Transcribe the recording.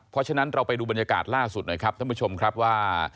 เพราะฉะนั้นเราไปดูบรรยากาศล่าสุดหน่อยครับท่านผู้ชมครับว่า